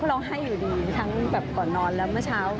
ร้องไห้อยู่ดีทั้งแบบก่อนนอนแล้วเมื่อเช้า